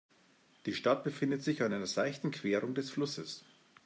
Die Stadt befindet sich an einer seichten Querung des Flusses.